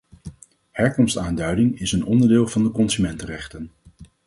Herkomstaanduiding is een onderdeel van de consumentenrechten.